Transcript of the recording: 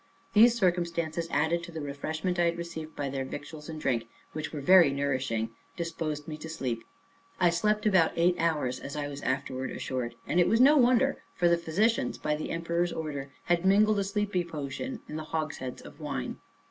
These circumstances, added to the refreshment I had received by their victuals and drink, which were very nourishing, disposed me to sleep. I slept about eight hours, as I was afterwards assured; and it was no wonder, for the physicians, by the emperor's order had mingled a sleepy potion in the hogsheads of wine.